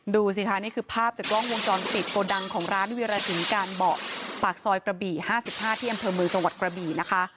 ดูสิค่ะนี่คือภาพจากกล้องวงจรปิดโกดังของร้านวิราศรีการเบาะปากซอยกระบี่๕๕ที่อำเภอเมืองจังหวัดกระบี่นะคะ